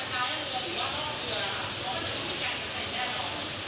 ขออนุญาตแค่นี้ครับ